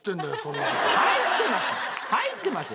入ってます。